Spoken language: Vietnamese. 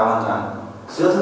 đồng chập vào cái bục